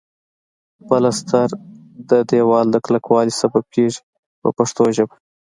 پلستر د دېوال د کلکوالي سبب کیږي په پښتو ژبه.